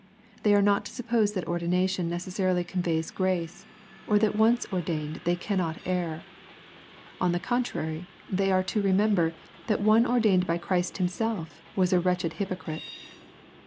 They are not to suppose that ordination necessarily conveys grace, or that once ordained they cannot err. On the contrary, they are to remember, that one ordained by Christ Himself was a wretched hypocrite.